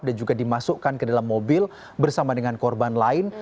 dan juga dimasukkan ke dalam mobil bersama dengan korban lain